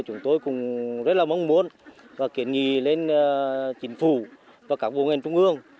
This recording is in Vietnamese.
chúng tôi cũng rất mong muốn và kiến nghị lên chính phủ và các vùng ngành trung ương